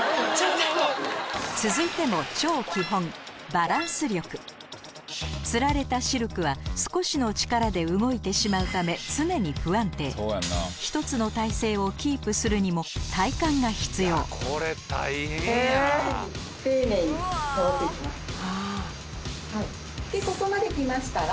続いても超基本吊られたシルクは少しの力で動いてしまうため常に１つの体勢をキープするにもはいでここまで来ましたら。